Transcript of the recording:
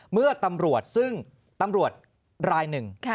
เมื่อตำรวจซึ่งตำรวจรายหนึ่ง